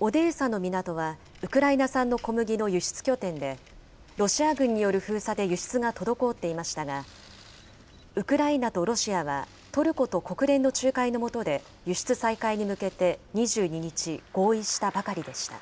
オデーサの港はウクライナ産の小麦の輸出拠点で、ロシア軍による封鎖で輸出が滞っていましたが、ウクライナとロシアは、トルコと国連の仲介の下で輸出再開に向けて２２日、合意したばかりでした。